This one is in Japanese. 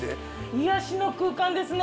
癒やしの空間ですね